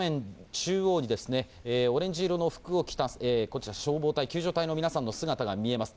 中央にですね、オレンジ色の服を着た、こちら、消防隊、救助隊の皆さんの姿が見えます。